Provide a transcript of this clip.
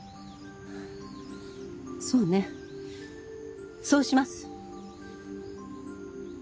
そうねそうします。